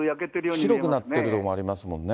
白くなっている所もありますものね。